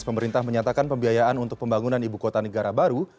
pemerintah menyatakan pembiayaan untuk pembangunan ibu kota negara baru